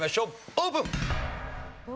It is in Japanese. オープン！